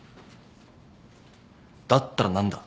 だったら何だ？